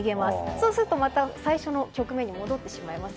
そうするとまた最初の局面に戻ってしまいます。